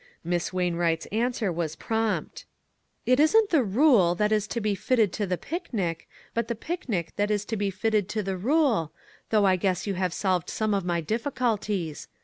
Miss Wainwright's answer was prompt: " It isn't the rule that is to be fitted to the picnic, but the picnic that is to be fitted to the rule, though I guess you have solved some of my difficulties.